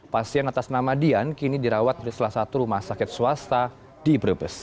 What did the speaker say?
pasien atas nama dian kini dirawat di salah satu rumah sakit swasta di brebes